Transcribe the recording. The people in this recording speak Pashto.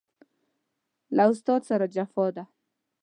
له استاد سره جفا ده